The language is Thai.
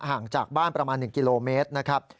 ห่างจากบ้านประมาณ๑กิโลเมตรนะครับ